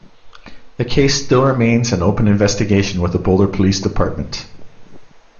The case still remains an open investigation with the Boulder Police Department.